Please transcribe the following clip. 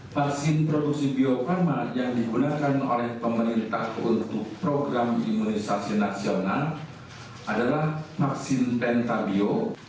vaksin produksi bio farma yang digunakan oleh pemerintah untuk program imunisasi nasional adalah vaksin pentabio